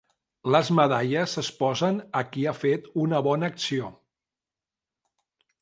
Les medalles es posen a qui ha fet una bona acció.